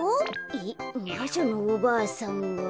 えっまじょのおばあさんは。